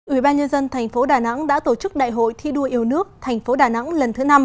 ủy ban nhân dân thành phố đà nẵng đã tổ chức đại hội thi đua yêu nước thành phố đà nẵng lần thứ năm